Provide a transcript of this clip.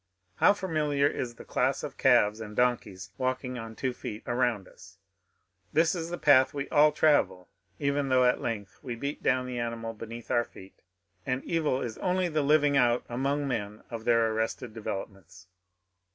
How familiar is the class of calves and donkeys walking on two feet around us ! This is the path we all travel, even though at length we beat down the animal beneath our feet ; and evil is only the living out among men of their arrested develop ments.